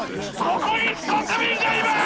ここに非国民がいます！